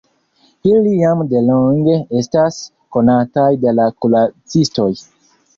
Ili jam delonge estas konataj de la kuracistoj.